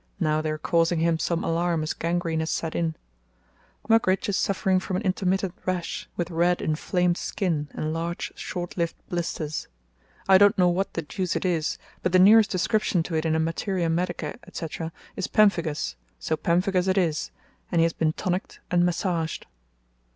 Now they are causing him some alarm as gangrene has set in. Mugridge is suffering from an intermittent rash, with red, inflamed skin and large, short lived blisters. I don't know what the deuce it is, but the nearest description to it in a 'Materia Medica,' etc., is pemphigus, so pemphigus it is, and he has been 'tonic ed' and massaged.